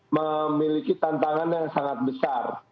memiliki tantangan yang sangat besar